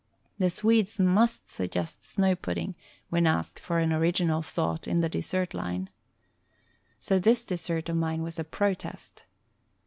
The Swedes must suggest Snow Pudding when asked for an original thought in the dessert line. So this dessert of mine was a protest.